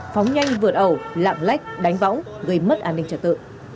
phóng nhanh vượt ẩu lạng lách đánh võng gây mất an ninh trật tự